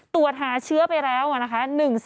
ตรวจหาเชื้อไปแล้วนะคะ